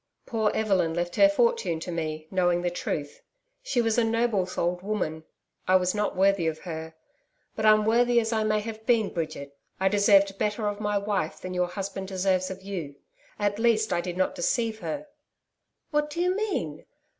'Poor Evelyn left her fortune to me, knowing the truth. She was a noble souled woman. I was not worthy of her. But unworthy as I may have been, Bridget, I deserved better of my wife than your husband deserves of you. At least, I did not deceive her.' 'What do you mean?